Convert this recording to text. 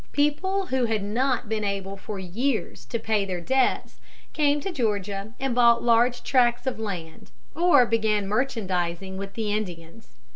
People who had not been able for years to pay their debts came to Georgia and bought large tracts of land or began merchandising with the Indians.